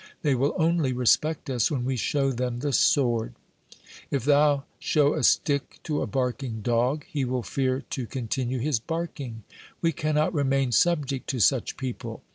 They will only respect us when we show them the sword. If thou show a stick to a barking dog, he will fear to con tinue his barking. We cannot remain subject to such people.